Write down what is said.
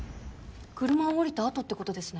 車を降りた後ってことですね。